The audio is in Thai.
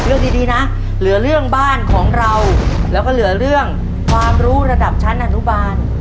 เรื่องดีดีนะเหลือเรื่องบ้านของเราแล้วก็เหลือเรื่องความรู้ระดับชั้นอนุบาล